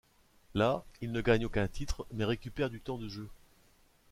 Là, il ne gagne aucun titre mais récupère du temps de jeu.